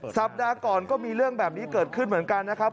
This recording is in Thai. สัปดาห์ก่อนก็มีเรื่องแบบนี้เกิดขึ้นเหมือนกันนะครับ